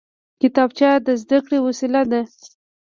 کتابچه د زده کړې وسیله ده